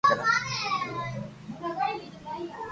آتما آپري آ جيون رو انت پراپت ڪري